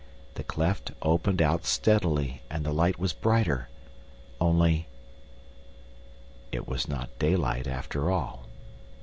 The cleft opened out steadily, and the light was brighter. Only— It was not daylight after all.